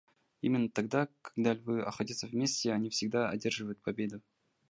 Именно тогда, когда львы охотятся вместе, они всегда одерживают победу.